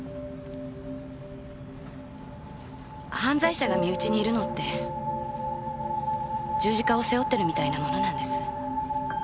犯罪者が身内にいるのって十字架を背負ってるみたいなものなんです。